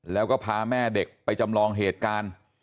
แล้วก็พาแม่เด็กไปจำลองเหตุการณ์